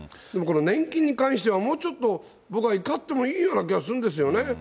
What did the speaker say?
でもこの年金に関しては、もうちょっと僕は怒ってもいいような気もするんですよね。